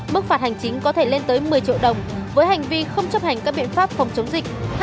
mức phạt hành chính có thể lên tới một mươi triệu đồng với hành vi không chấp hành các biện pháp phòng chống dịch